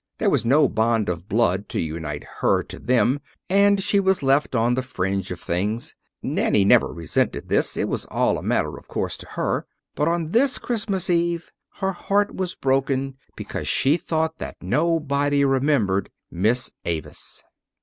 There was no bond of blood to unite her to them, and she was left on the fringe of things. Nanny never resented this it was all a matter of course to her; but on this Christmas Eve her heart was broken because she thought that nobody remembered Miss Avis.